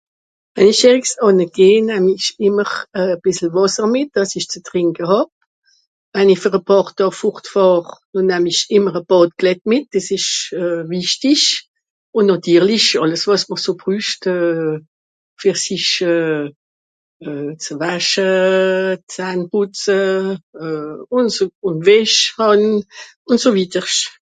weij ìsch jerigs ànne geh namm'isch ìmmer à bìssel wàsser mìt dàss ìsch zù trìnke hà wann'i ver à Paar Daa vòrtfàhr nò namm'isch ìmmer à Bàdkleid mìt des esch euh wichtisch ùn nàtirlich àlles wàs mr so brüscht euh ver sich euh euh zù wasche Zahn pùtze euh ùn so ùn so Wesch hàn ùn so wiedersch